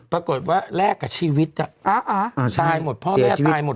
ปรากฏว่าแลกกับชีวิตตายหมดพ่อแม่ตายหมด